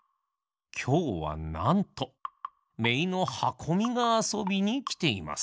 きょうはなんとめいのはこみがあそびにきています。